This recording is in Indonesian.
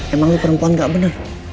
emang lo perempuan gak bener